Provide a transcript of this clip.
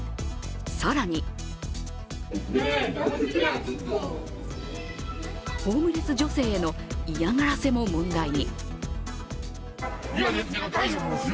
更にホームレス女性への嫌がらせも問題に。